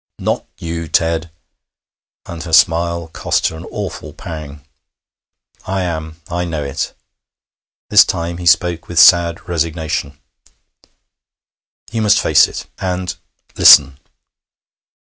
'Not you, Ted!' And her smile cost her an awful pang. 'I am. I know it.' This time he spoke with sad resignation. 'You must face it. And listen.'